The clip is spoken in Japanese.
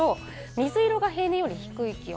水色が平年より低い気温。